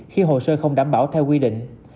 khi hồ sơ không đảm bảo theo quy định